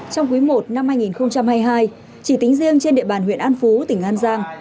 trong quý i năm hai nghìn hai mươi hai chỉ tính riêng trên địa bàn huyện an phú tỉnh an giang